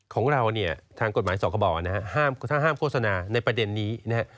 ของเราเนี่ยทางกฎหมายสคบนะฮะถ้าห้ามโฆษณาในประเด็นนี้นะฮะ